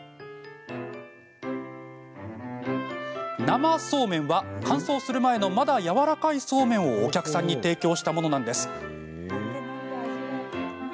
生そうめんは、乾燥する前のまだ、やわらかいそうめんをお客さんに提供したものなんです。